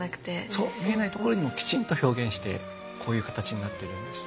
そう見えないところにもきちんと表現してこういう形になっているんです。